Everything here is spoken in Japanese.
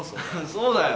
そうだよ。